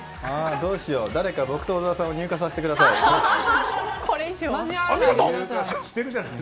どうしよう誰か僕と小沢さんを乳化させてください。